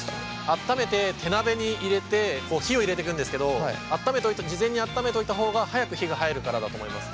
温めて手鍋に入れてこう火を入れてくんですけど事前に温めといた方が早く火が入るからだと思います。